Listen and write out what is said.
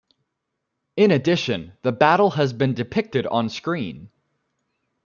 In addition, the battle has been depicted on screen.